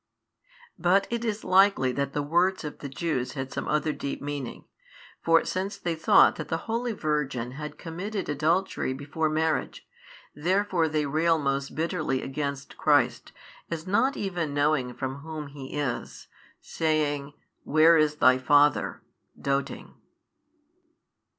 But it is likely that the words of the Jews had some other deep meaning. For since they thought that the holy Virgin had committed adultery before marriage, therefore they rail most bitterly against Christ as not even knowing from whom He is, saying, Where is Thy father? doting.